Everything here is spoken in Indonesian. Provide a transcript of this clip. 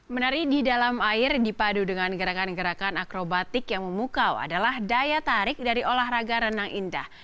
menari di dalam air dipadu dengan gerakan gerakan akrobatik yang memukau adalah daya tarik dari olahraga renang indah